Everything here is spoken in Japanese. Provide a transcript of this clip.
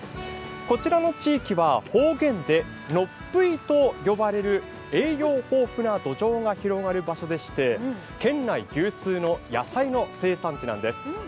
こちらの地域は方言でのっぷいと呼ばれる、栄養豊富な土壌が広がる場所でして、県内有数の野菜の生産地なんです。